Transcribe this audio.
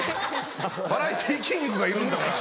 バラエティーキングがいるんだから。